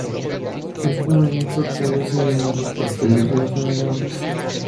Este municipio carece de un aeropuerto y de ríos navegables.